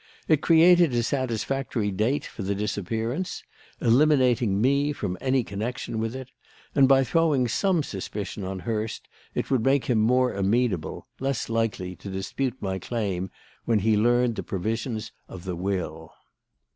It created a satisfactory date for the disappearance, eliminating me from any connection with it, and by throwing some suspicion on Hurst it would make him more amenable less likely to dispute my claim when he learned the provisions of the will.